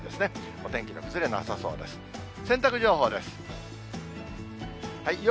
お天気の崩れなさそうです。